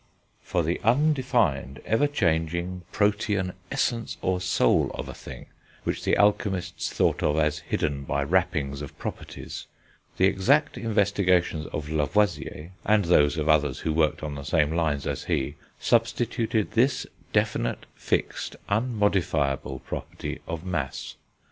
For the undefined, ever changing, protean essence, or soul, of a thing which the alchemists thought of as hidden by wrappings of properties, the exact investigations of Lavoisier, and those of others who worked on the same lines as he, substituted this definite, fixed, unmodifiable property of mass.